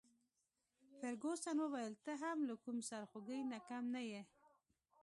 فرګوسن وویل: ته هم له کوم سرخوږي نه کم نه يې.